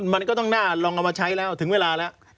คงต้องลองเอามาใช้แล้วถึงเวลาแล้ว